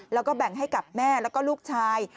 แล้วก็แบ่งให้กับแม่แล้วก็ลูกชาย